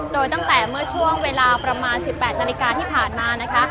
โดยตั้งแต่เมื่อช่วงเวลาประมาณ๑๘นาฬิกาที่ผ่านมานะคะ